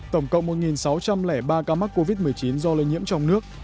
tổng cộng một sáu trăm linh ba ca mắc covid một mươi chín do lây nhiễm trong nước